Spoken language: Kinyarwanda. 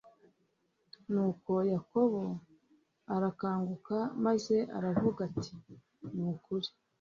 nuko yakobo arakanguka maze aravuga ati ni ukuri